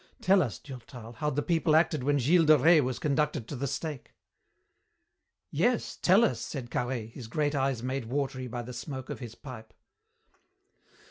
Tell us, Durtal, how the people acted when Gilles de Rais was conducted to the stake." "Yes, tell us," said Carhaix, his great eyes made watery by the smoke of his pipe.